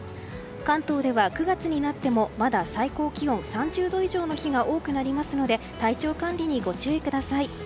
関東では、９月になってもまだ最高気温３０度以上の日が多くなりますので体調管理にご注意ください。